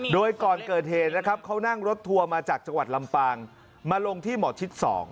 โดยก่อนเกิดเหตุนะครับเขานั่งรถทัวร์มาจากจังหวัดลำปางมาลงที่หมอชิด๒